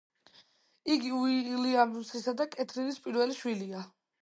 იგი უილიამისა და კეთრინის პირველი შვილია.